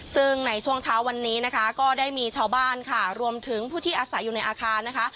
ซึ่งในช่วงเช้าวันนี้นะคะก็ได้มีชาวบ้านค่ะรวมถึงผู้ที่อาศัยอยู่ในอาคารนะคะ